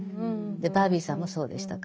バービーさんもそうでしたか。